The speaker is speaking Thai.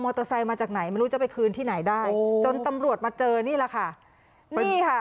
เตอร์ไซค์มาจากไหนไม่รู้จะไปคืนที่ไหนได้จนตำรวจมาเจอนี่แหละค่ะนี่ค่ะ